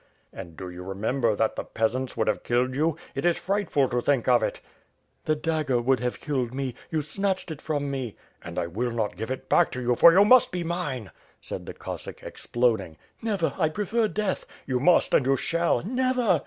"And do you remember that the peasants would have killed you? It is frightful to think of it: ..." "The dagger would have killed me. You snatched it from me." "And I will not give it back to you, for you must be mine!" said the Cossack exploding. "Never, I prefer death!" 'Tou must and you shall!'' 'T^ever!"